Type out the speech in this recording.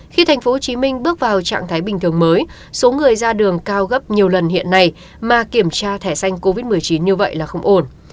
khi tp hcm bước vào trạng thái bình thường mới số người ra đường cao gấp nhiều lần hiện nay mà kiểm tra thẻ xanh covid một mươi chín như vậy là không ổn